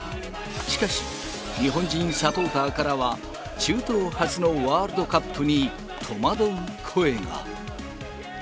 しかし、日本人サポーターからは中東初のワールドカップに戸惑う声が。